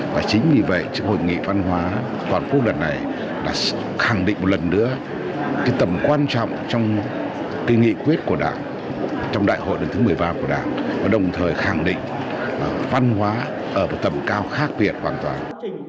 và chính vì vậy hội nghị văn hóa toàn quốc lần này đã khẳng định một lần nữa cái tầm quan trọng trong cái nghị quyết của đảng trong đại hội lần thứ một mươi ba của đảng và đồng thời khẳng định văn hóa ở một tầm cao khác biệt hoàn toàn